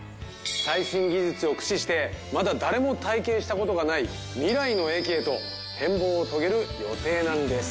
最新技術を駆使してまだ誰も体験した事がない未来の駅へと変貌を遂げる予定なんです。